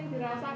beri ini pak